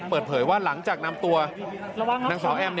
เปิดเผยว่าหลังจากนำตัวนางสาวแอม